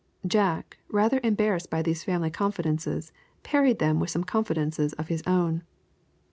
Jack, rather embarrassed by these family confidences, parried them with some confidences of his own.